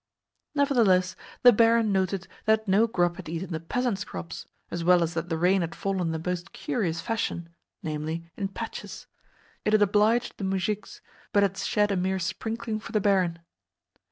Nevertheless, the barin noted that no grub had eaten the PEASANTS' crops, as well as that the rain had fallen in the most curious fashion namely, in patches. It had obliged the muzhiks, but had shed a mere sprinkling for the barin.